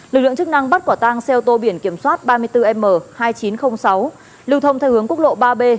lực lượng chức năng bắt quả tang xe ô tô biển kiểm soát ba mươi bốn m hai nghìn chín trăm linh sáu lưu thông theo hướng quốc lộ ba b